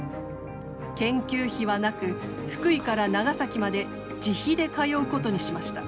研究費はなく福井から長崎まで自費で通うことにしました。